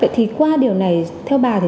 vậy thì qua điều này theo bà thì